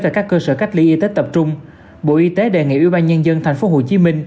tại các cơ sở cách ly y tế tập trung bộ y tế đề nghị ủy ban nhân dân tp hcm